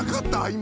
今。